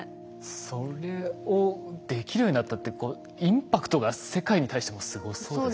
それをできるようになったってインパクトが世界に対してもすごそうですね。